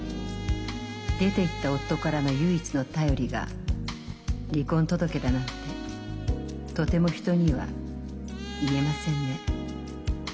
出ていった夫からの唯一の便りが離婚届だなんてとても人には言えませんね。